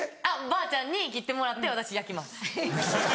ばあちゃんに切ってもらって私焼きます。